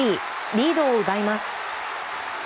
リードを奪います。